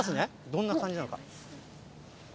どんな感じなのか。